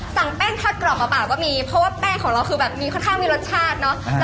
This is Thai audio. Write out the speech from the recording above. แป้งทอดกรอบเปล่าก็มีเพราะว่าแป้งของเราคือแบบมีค่อนข้างมีรสชาติเนอะ